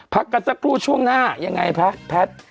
พักกันสักครู่ช่วงหน้ายังไงคะแพทย์